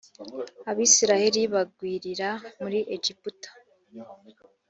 abisirayeli bagwirira muri egiputa